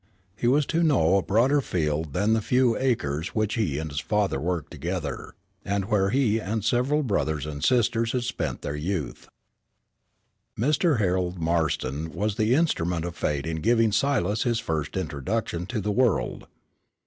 He was to know a broader field than the few acres which he and his father worked together, and where he and several brothers and sisters had spent their youth. Mr. Harold Marston was the instrument of Fate in giving Silas his first introduction to the world.